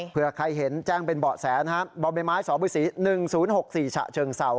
เพื่อใครเห็นแจ้งเป็นบ่อแสนะครับบสบสี๑๐๖๔ฉะเชิงเสา